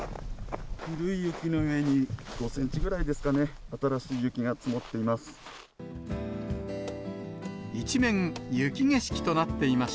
古い雪の上に、５センチぐらいですかね、新しい雪が積もっています。